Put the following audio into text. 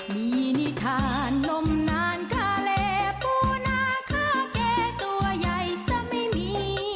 มีนิทานนมนานค่าแลปูนาคาแก่ตัวใหญ่ซะไม่มี